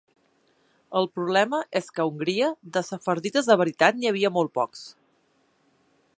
El problema és que a Hongria, de sefardites de veritat n'hi havia molt pocs.